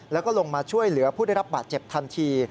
แล้วก็ลงมาช่วยเหลือผู้ได้รับบาดเจ็บทันที